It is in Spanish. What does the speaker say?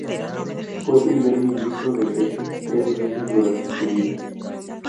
Fue primer ministro de Grecia tres veces durante su vida.